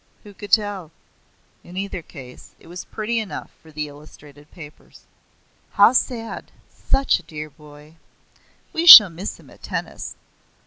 Who could tell? In either case it was pretty enough for the illustrated papers. "How sad! Such a dear boy. We shall miss him at tennis."